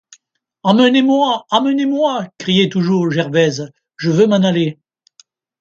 Emmenez-moi, emmenez-moi, criait toujours Gervaise, je veux m'en aller.